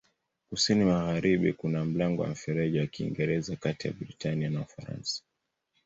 Kusini-magharibi kuna mlango wa Mfereji wa Kiingereza kati ya Britania na Ufaransa.